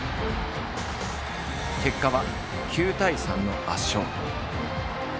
結果は９対３の圧勝。